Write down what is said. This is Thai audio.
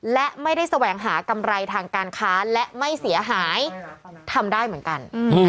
และไม่ได้แสวงหากำไรทางการค้าและไม่เสียหายทำได้เหมือนกัน